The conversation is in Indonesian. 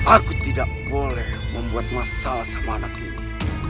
aku tidak boleh membuat masalah sama anak ini